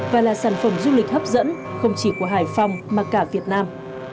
và là sản phẩm du lịch hấp dẫn không chỉ của hải phòng mà cả việt nam